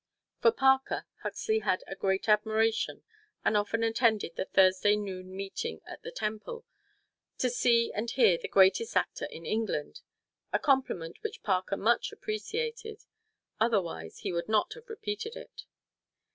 For Parker, Huxley had a great admiration and often attended the Thursday noon meeting at the Temple, "to see and hear the greatest actor in England," a compliment which Parker much appreciated, otherwise he would not have repeated it.